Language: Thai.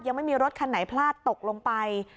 ยังไม่มีรถคันไหนพลาดตกลงไป